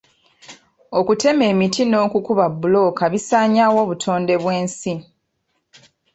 Okutema emiti n'okukuba bbulooka bisaanyaawo obutonde bw'ensi.